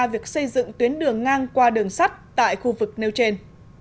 việc xây dựng tuyến đường ngang qua đường sắt tại khu vực nêu trên